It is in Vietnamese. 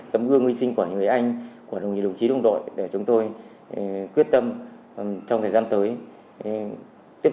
tấm gương hy sinh của người anh của đồng chí đồng đội để chúng tôi quyết tâm trong thời gian tới tiếp